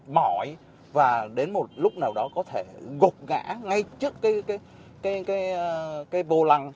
mệt mỏi và đến một lúc nào đó có thể gục ngã ngay trước cái bồ lằn